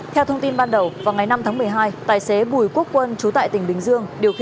theo thông tin ban đầu vào ngày năm tháng một mươi hai tài xế bùi quốc quân chú tại tỉnh bình dương